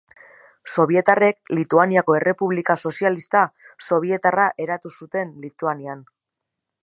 Sobietarrek Lituaniako Errepublika Sozialista Sobietarra eratu zuten Lituanian.